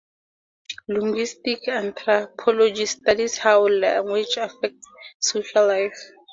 Linguistic anthropology studies how language affects social life.